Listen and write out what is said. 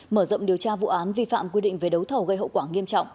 mở rộng điều tra vụ án vi phạm quy định về đấu thầu gây hậu quả nghiêm trọng